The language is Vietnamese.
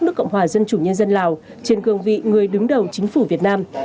nước cộng hòa dân chủ nhân dân lào trên cương vị người đứng đầu chính phủ việt nam